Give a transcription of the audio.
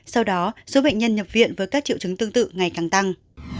sau đó số bệnh nhân nhập viện với các triệu chứng tương tự ngày càng tăng